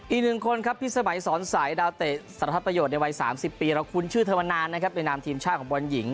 อีหนึ่งคนครับพี่สมัยสอนสายดาวเตะสรรพยกต์ในวัย๓๐ปีเราคุ้นชื่อเธอมานานนะครับเป็นนามทีมชาติของบรรยิง